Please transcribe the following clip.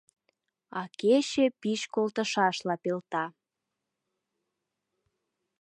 А кече пич колтышашла пелта.